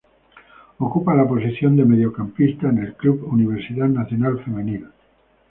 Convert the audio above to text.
Ocupa la posición de mediocampista en Club Universidad Nacional Femenil.